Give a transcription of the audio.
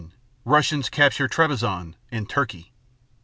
18 Russians capture Trebizond, in Turkey.